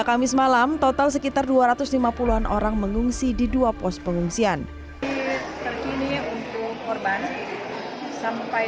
kamis malam total sekitar dua ratus lima puluh an orang mengungsi di dua pos pengungsian terkini untuk korban sampai